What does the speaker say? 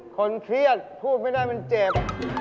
คนเครียดพูดไม่ได้มันเจ็บ